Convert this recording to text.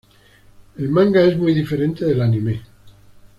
El manga es muy diferente del anime.